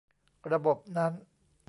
ระบบนั้น